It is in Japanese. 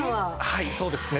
はいそうですね。